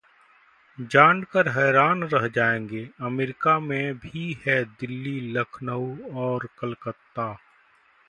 जानकर हैरान रह जाएंगे, अमेरिका में भी है दिल्ली, लखनऊ और कलकत्ता